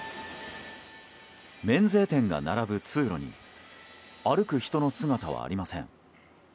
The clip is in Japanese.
免税店が並ぶ通路に歩く人の姿はありません。